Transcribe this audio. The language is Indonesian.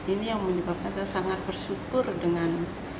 ini yang menyebabkan saya sangat bersyukur dengan